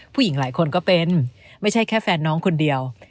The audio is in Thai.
ผู้หญิงหลายคนก็เป็นไม่ใช่แค่แฟนน้องคนเดียว